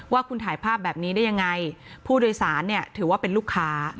ว่าคุณถ่ายภาพแบบนี้ได้ยังไงผู้โดยสารเนี่ยถือว่าเป็นลูกค้า